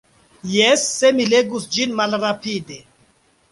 Jes, se mi legus ĝin malrapide.